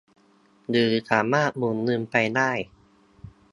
หรือสามารถหมุนเงินไปได้